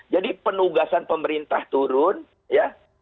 jadi penugasan pemerintah turun ya